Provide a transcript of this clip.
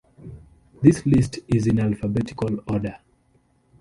This list is in alphabetical order.